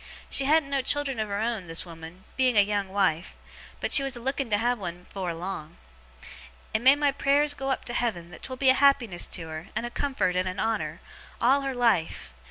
She hadn't no children of her own, this woman, being a young wife; but she was a looking to have one afore long. And may my prayers go up to Heaven that 'twill be a happiness to her, and a comfort, and a honour, all her life!